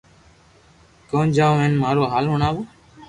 ڪنو جاو ھين مارو ھال ھڻاوو